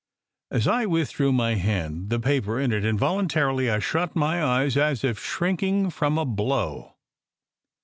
As I withdrew my hand the paper in it involuntarily I shut my eyes, as if shrink ing from a blow.